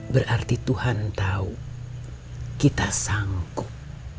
berarti tuhan tahu kita sangkuk